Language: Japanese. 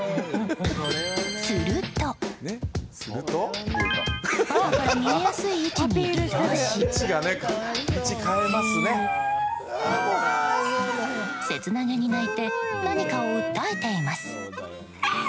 すると、パパから見えやすい位置に移動しせつなげに鳴いて何かを訴えています。